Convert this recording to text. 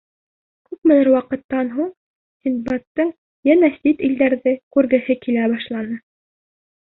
Күпмелер ваҡыттан һуң Синдбадтың йәнә сит илдәрҙе күргеһе килә башлай.